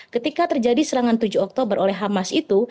ketika terjadi serangan tujuh oktober oleh hamas itu